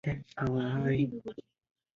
崇祯三年庚午科河南乡试解元。